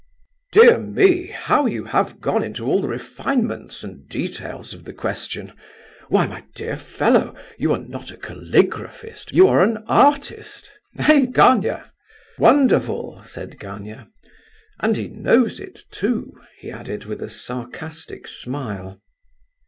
"Dear me! How you have gone into all the refinements and details of the question! Why, my dear fellow, you are not a caligraphist, you are an artist! Eh, Gania?" "Wonderful!" said Gania. "And he knows it too," he added, with a sarcastic smile.